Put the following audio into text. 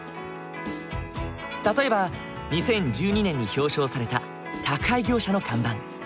例えば２０１２年に表彰された宅配業者の看板。